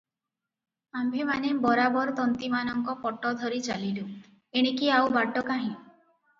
ଆମ୍ଭେମାନେ ବରାବର ତନ୍ତୀମାନଙ୍କ ପଟ ଧରି ଚାଲିଲୁ, ଏଣିକି ଆଉ ବାଟ କାହିଁ?